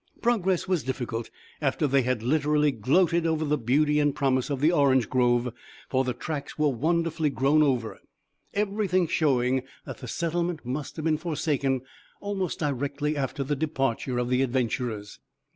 Progress was difficult after they had literally gloated over the beauty and promise of the orange grove, for the tracks were wonderfully grown over, everything showing that the settlement must have been forsaken almost directly after the departure of the adventurers.